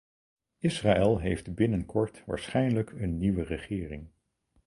Israël heeft binnenkort waarschijnlijk een nieuwe regering.